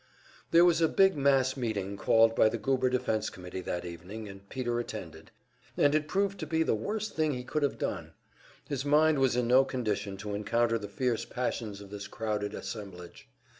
There was a big mass meeting called by the Goober Defense Committee that evening, and Peter attended, and it proved to be the worst thing he could have done. His mind was in no condition to encounter the fierce passions of this crowded assemblage.